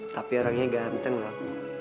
tapi orangnya ganteng lah